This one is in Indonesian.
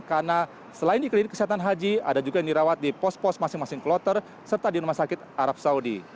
karena selain dikelilingi kesehatan haji ada juga yang dirawat di pos pos masing masing kloter serta di rumah sakit arab saudi